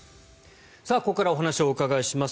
ここからお話をお伺いします。